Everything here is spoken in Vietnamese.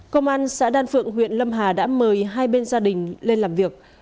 công an xã đan phượng huyện lâm hà đã mời hai bên gia đình lên làm việc